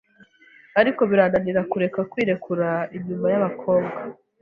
ariko birananira kureka kwiruka inyuma y’abakobwa